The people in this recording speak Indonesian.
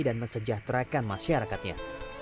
dan mensejahterakan masyarakatnya